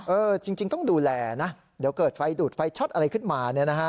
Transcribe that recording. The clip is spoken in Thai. เออจริงต้องดูแลนะเดี๋ยวเกิดไฟดูดไฟช็อตอะไรขึ้นมาเนี่ยนะฮะ